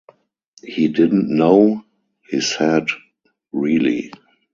He didn't know, he said, really.